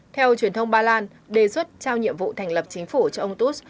theo truyền thông ba lan đề xuất giao nhiệm vụ thành lập chính phủ cho ông stutz